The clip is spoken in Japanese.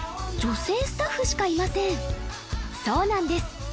女性スタッフしかいませんそうなんです